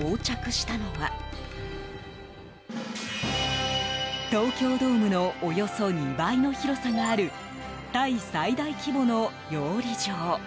到着したのは東京ドームのおよそ２倍の広さがあるタイ最大規模の養鯉場。